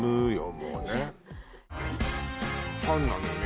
もうねファンなのよね